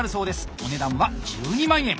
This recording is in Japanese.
お値段は１２万円。